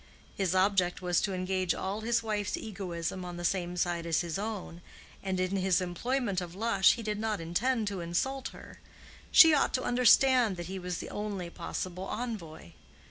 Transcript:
His object was to engage all his wife's egoism on the same side as his own, and in his employment of Lush he did not intend an insult to her: she ought to understand that he was the only possible envoy.